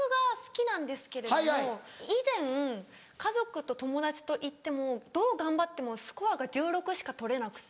以前家族と友達と行ってもどう頑張ってもスコアが１６しか取れなくて。